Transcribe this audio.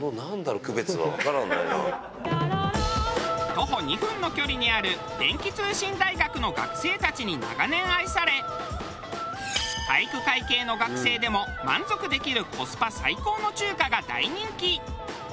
徒歩２分の距離にある電気通信大学の学生たちに長年愛され体育会系の学生でも満足できるコスパ最高の中華が大人気。